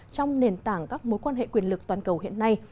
trong nền tảng các mối quan hệ quyền lực toàn cầu hiện nay